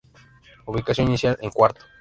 Ubicación inicial: En cuarto.